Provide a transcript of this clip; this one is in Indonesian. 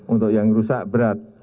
untuk yang rusak berat